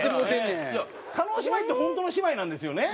叶姉妹って本当の姉妹なんですよね？